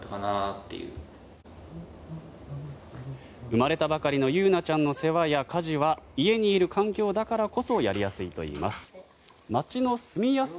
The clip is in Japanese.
生まれたばかりの夕凪ちゃんの世話や家事は家にいる環境だからこそやりやすいといいます。